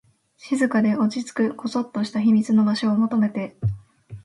静かで、落ち着く、こそっとした秘密の場所を求めて